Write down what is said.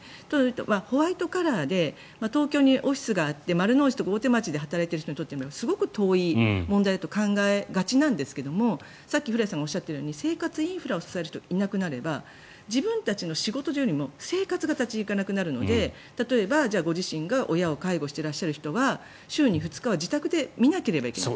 ホワイトカラーで東京にオフィスがあって丸の内とか大手町で働いている人にとってみればすごく遠い問題だと考えがちなんですけどもさっき古屋さんがおっしゃったように生活インフラを支える人たちがいなくなれば自分たちの仕事よりも生活が立ち行かなくなるので例えば、ご自身が親を介護してらっしゃる人は週に２日は自宅で見なければいけない。